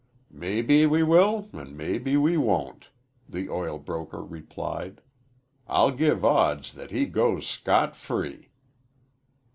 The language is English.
"Maybe we will and maybe we won't," the oil broker replied. "I'd give odds that he goes scot free."